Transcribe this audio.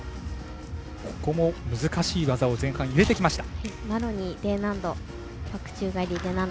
ここも難しい技を前半入れてきました。